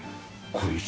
これ。